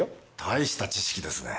大した知識ですね。